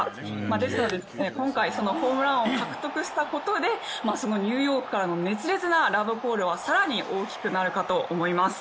ですので、今回ホームラン王を獲得したことでニューヨークからの熱烈なラブコールは更に大きくなるかと思います。